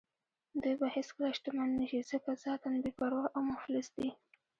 دوی به هېڅکله شتمن نه شي ځکه ذاتاً بې پروا او مفلس دي.